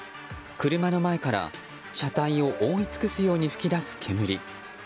車の前から、車体を覆い尽くすように噴き出す煙。